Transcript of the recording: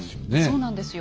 そうなんですよ。